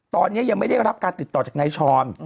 ตอนนี้ยังไม่ได้รับการติดต่อจากนายชร